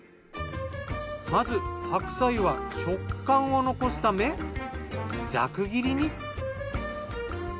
まず白菜は食感を残すためざく切りに。